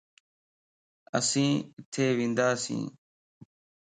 اسين اتي ونداسين